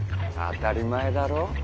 当たり前だろ。